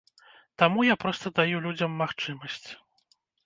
Таму я проста даю людзям магчымасць.